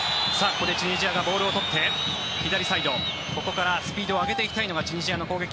ここでチュニジアがボールを取って左サイドここからスピードを上げていきたいのがチュニジアの攻撃。